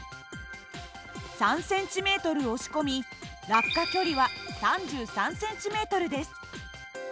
３ｃｍ押し込み落下距離は３３ｃｍです。